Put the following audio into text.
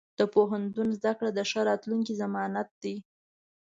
د پوهنتون زده کړه د ښه راتلونکي ضمانت دی.